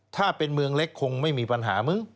ถ้าเป็นเมืองเล็กคงไม่มีปัญหามึง